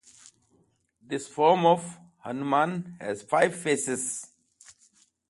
This form of Hanuman has five faces.